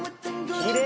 きれい！